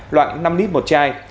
loại năm nít một chai